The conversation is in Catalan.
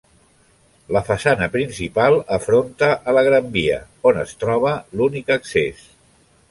La façana principal afronta a la Gran Via on es troba l'únic accés.